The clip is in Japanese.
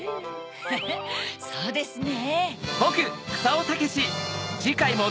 フフっそうですね。